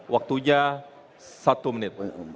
waktunya satu menit